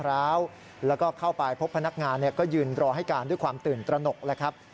แล้วก็เข้าไปพบพนักงานก็ยืนรอให้การด้วยความตื่นตระหนกแล้วครับ